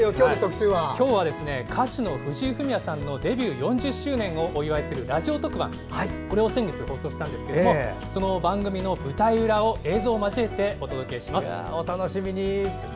今日は歌手の藤井フミヤさんのデビュー４０周年をお祝いするラジオ特番を先月放送したんですがその番組の舞台裏を映像を交えてお届けします。